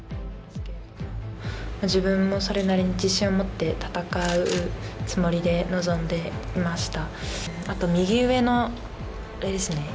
自分もそれなりに自信を持って戦うつもりで臨んでいました。